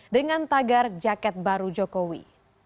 dengan tagar jaket baru jokowi